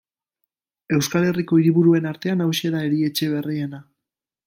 Euskal Herriko hiriburuen artean, hauxe da erietxe berriena.